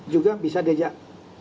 juga bisa diajak